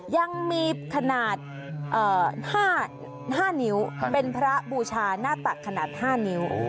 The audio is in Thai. ยังมีขนาด๕นิ้วเป็นพระบูชาหน้าตักขนาด๕นิ้ว